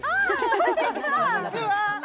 こんにちは！